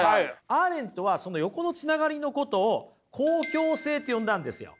アーレントはその横のつながりのことを公共性と呼んだんですよ。